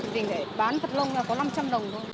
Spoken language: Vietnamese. mình phải bán thật lông ra có năm trăm linh đồng thôi